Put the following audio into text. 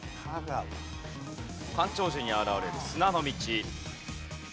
干潮時に現れる砂の道。